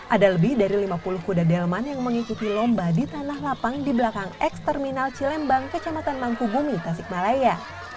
ada lebih dari lima puluh kuda delman yang mengikuti lomba di tanah lapang di belakang eks terminal cilembang kecamatan mangkubumi tasikmalaya